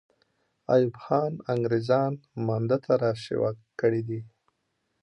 ایوب خان انګریزان مانده ته را شوه کړي دي.